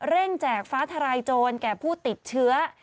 แจกฟ้าทลายโจรแก่ผู้ติดเชื้อ